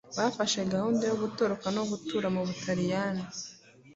bafahe gahunda yo gutoroka no gutura mu Butaliyani: